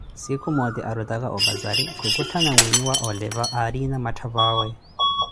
siikhu mote arrutaka opazari khukhuttana mwinhe wa oleepha aarina matthavawe